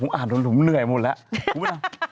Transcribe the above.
พวกผมอาจลุ้มหน่วยหมดแล้ว